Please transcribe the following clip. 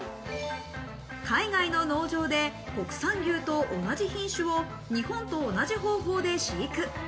海外の農場で国産牛と同じ品種を日本と同じ方法で飼育。